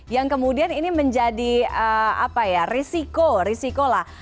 yang kemudian ini menjadi risiko risiko lah